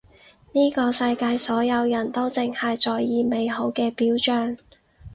呢個世界所有人都淨係在意美好嘅表象